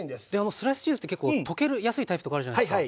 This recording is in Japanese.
スライスチーズって結構溶けやすいタイプとかあるじゃないですか。